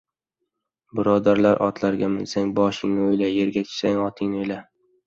Birodarlar, otga minsang — boshingni o‘yla, yerga tushsang — otingni o‘yla!